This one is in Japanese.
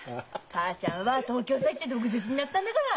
母ちゃんは東京さ行って毒舌になったんだがら！